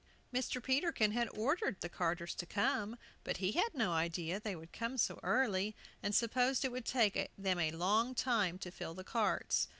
Mr. Peterkin had ordered the carters to come; but he had no idea they would come so early, and supposed it would take them a long time to fill the carts.